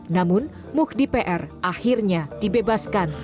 namun mukhdi pr akhirnya dibebaskan